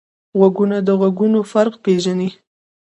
غوږونه د غږونو فرق پېژني